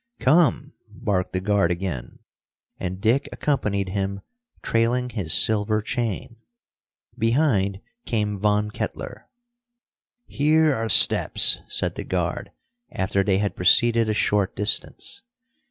"Come!" barked the guard again, and Dick accompanied him, trailing his silver chain. Behind came Von Kettler. "Here are steps!" said the guard, after they had proceeded a short distance.